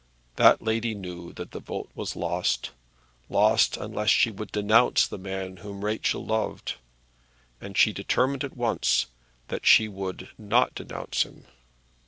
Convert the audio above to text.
That lady knew that the vote was lost, lost unless she would denounce the man whom Rachel loved; and she determined at once that she would not denounce him.